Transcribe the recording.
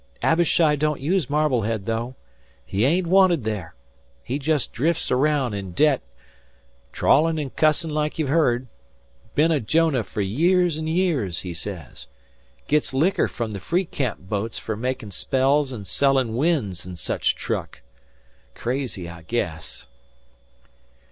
Abishai don't use Marblehead, though. He ain't wanted there. He jes' drif's araound, in debt, trawlin' an' cussin' like you've heard. Bin a Jonah fer years an' years, he hez. 'Gits liquor frum the Feecamp boats fer makin' spells an' selling winds an' such truck. Crazy, I guess."